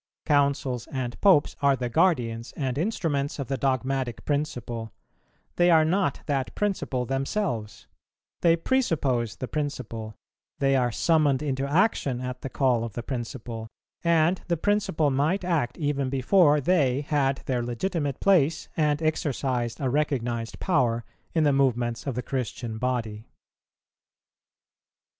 Councils and Popes are the guardians and instruments of the dogmatic principle: they are not that principle themselves; they presuppose the principle; they are summoned into action at the call of the principle, and the principle might act even before they had their legitimate place, and exercised a recognized power, in the movements of the Christian body.